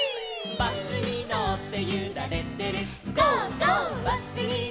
「バスにのってゆられてるゴー！